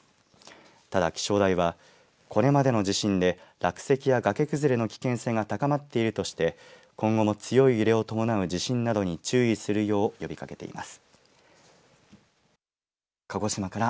ただ気象台は、これまでの地震で落石や崖崩れの危険性が高まっているとして今後も強い揺れを伴う地震などに注意するよう呼びかけています。